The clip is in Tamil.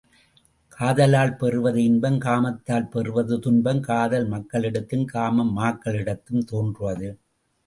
காதலால் பெறுவது இன்பம் காமத்தால் பெறுவது துன்பம் காதல் மக்களிடத்தும், காமம் மாக்களிடத்தும் தோன்றுவது.